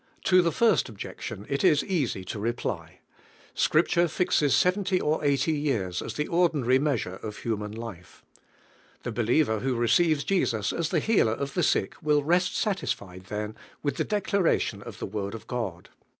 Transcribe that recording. To the first objection it is easy to re ply. Scripture fixes seventy or eighty yeans as the ordinary measure of human life. The believer who receives Jesus as the Healer of the sick will rest satisfied then with the declaration of the Word of God.